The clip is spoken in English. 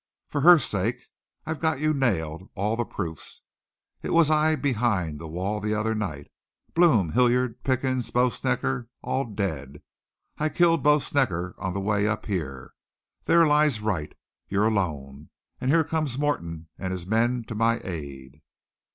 For her sake! I've got you nailed all the proofs. It was I behind the wall the other night. Blome, Hilliard, Pickens, Bo Snecker, are dead. I killed Bo Snecker on the way up here. There lies Wright. You're alone. And here comes Morton and his men to my aid.